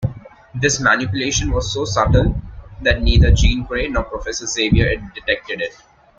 This manipulation was so subtle that neither Jean Grey nor Professor Xavier detected it.